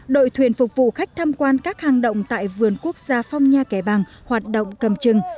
đội thuyền phục vụ khách tham quan các hang động tại vườn quốc gia phong nha kẻ bàng hoạt động cầm chừng